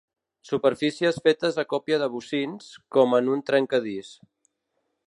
Superfícies fetes a còpia de bocins, com en un trencadís.